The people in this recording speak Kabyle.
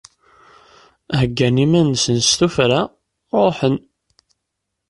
Heggan iman-nsen s tufra, ruḥen.